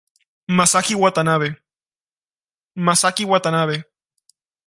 Masaki Watanabe